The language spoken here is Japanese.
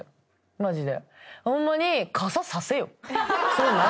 マジで。